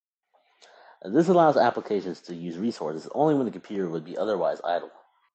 This allows applications to use resources only when the computer would be otherwise idle.